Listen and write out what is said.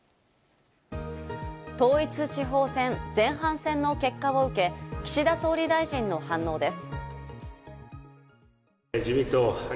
統一地方選前半戦の結果を受け、岸田総理大臣の反応です。